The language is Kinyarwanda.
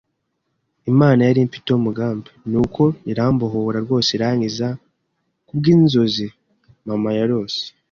Imana yari imfiteho umugambi, ni uko irambohora rwose irankiza ku bw’inzozi mama yarose